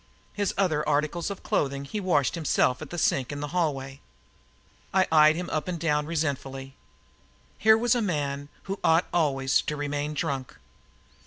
His other articles of clothing he washed himself at the sink in the hallway. I eyed him up and down resentfully. Here was a man who ought always to remain drunk.